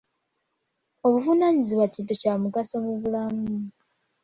Obuvunaanyizibwa kintu kya mugaso mu bulamu.